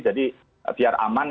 jadi biar aman ada yang megang